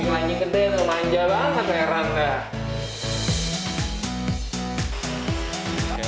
ingat ingatnya remaja banget merah enggak